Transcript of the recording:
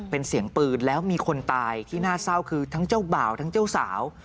เป็นเสียงปืนแล้วมีคนตายที่น่าเศร้าคือทั้งเจ้าบ่าวทั้งเจ้าสาว